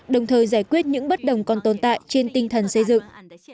đồng thời giải quyết những bất đồng còn tồn tại trên tinh thần xây dựng